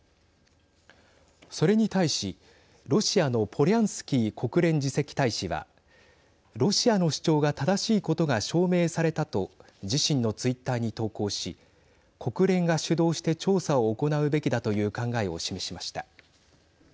それに対しロシアのポリャンスキー国連次席大使はロシアの主張が正しいことが証明されたと自身のツイッターに投稿し国連が主導して調査を行うべきだという考えを示しました。